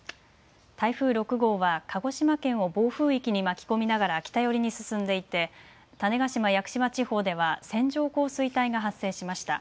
台風６号は鹿児島県を暴風域に巻き込みながら北寄りに進んでいて種子島・屋久島地方では線状降水帯が発生しました。